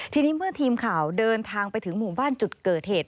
ทีนี้เมื่อทีมข่าวเดินทางไปถึงหมู่บ้านจุดเกิดเหตุ